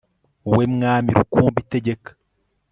wowe mwami rukumbi tegeka